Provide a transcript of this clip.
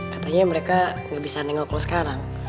katanya mereka gak bisa nengok lo sekarang